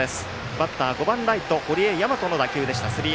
バッター５番堀江大和の打席でした。